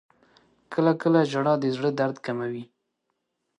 • کله کله ژړا د زړه درد کموي.